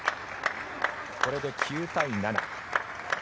これで９対７。